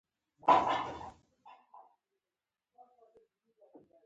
احمد زما پر وړاند وچ کلک ودرېد.